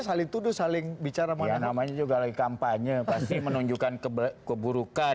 saling tuduh saling bicara mana namanya juga lagi kampanye pasti menunjukkan keburukan